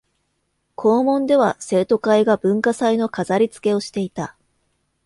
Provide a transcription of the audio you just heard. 校門では生徒会が文化祭の飾りつけをしていた